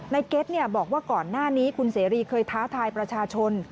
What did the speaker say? เก็ตบอกว่าก่อนหน้านี้คุณเสรีเคยท้าทายประชาชน